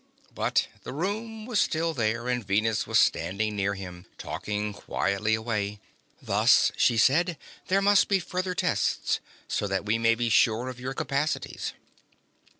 But the room was still there, and Venus was standing near him, talking quietly away. "Thus," she said, "there must be further tests, so that we may be sure of your capacities."